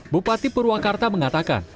bupati purwakarta mengatakan